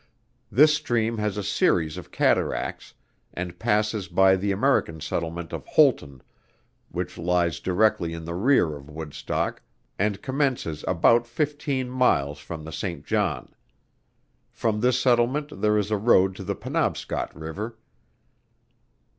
This stream has a series of cataracts, and passes by the American settlement of Houlton which lies directly in the rear of Woodstock, and commences about fifteen miles from the Saint John. From this settlement there is a road to the Penobscot river.